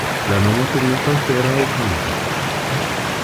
La nomo signifas tera aŭ kampa.